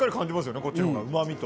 こっちのほうがうま味と。